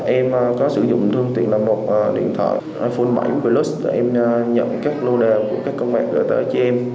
em có sử dụng thương tiện là một điện thoại iphone bảy plus để em nhận các lô đề của các con bạn gửi tới cho em